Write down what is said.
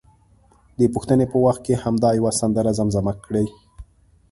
د پوښتنې په وخت کې همدا یوه سندره زمزمه کړي.